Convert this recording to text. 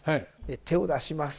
手を出します。